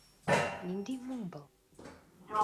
Ниндәй моң был?